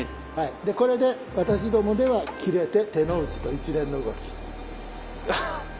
でこれで私どもでは「斬れて手の内」と一連の動き。